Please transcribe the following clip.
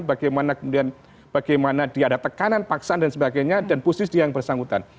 bagaimana kemudian bagaimana dia ada tekanan paksaan dan sebagainya dan posisi yang bersangkutan